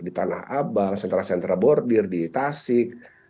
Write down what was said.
di tanah abang sentra sentra bordir di tasik